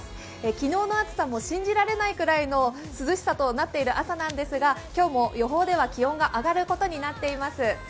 昨日の暑さも信じられないくらいの涼しさとなっている朝なんですが、今日も予報では気温が上がることになっています。